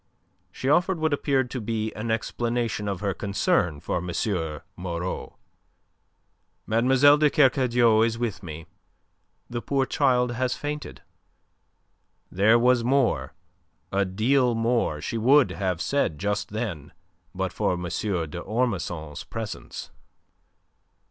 She offered what appeared to be an explanation of her concern for M. Moreau. "Mademoiselle de Kercadiou is with me. The poor child has fainted." There was more, a deal more, she would have said just then, but for M. d'Ormesson's presence.